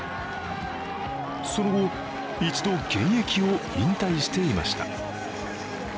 その後、一度現役を引退していました。